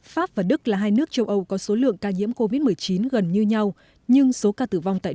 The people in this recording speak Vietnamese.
pháp và đức là hai nước châu âu có số lượng ca nhiễm covid một mươi chín gần như nhau nhưng số ca tử vong tại